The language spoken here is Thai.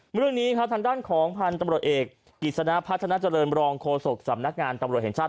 เรื่องนี้ครับทางด้านของพันธุ์ตำรวจเอกกิจสนะพัฒนาเจริญรองโฆษกสำนักงานตำรวจแห่งชาติ